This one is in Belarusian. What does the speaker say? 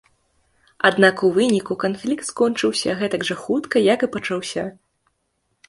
Аднак у выніку канфлікт скончыўся гэтак жа хутка, як і пачаўся.